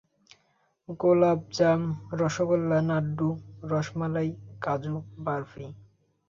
গোলাপ জাম, রসগোল্লা, লাড্ডু, রসমালাই, কাজু বার্ফি।